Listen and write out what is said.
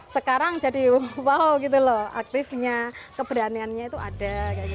sekarang jadi wow gitu loh aktifnya keberaniannya itu ada